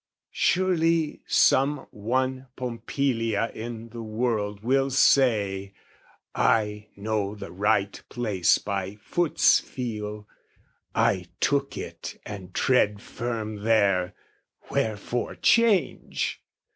Surely some one Pompilia in the world Will say "I know the right place by foot's feel, "I took it and tread firm there; wherefore change?"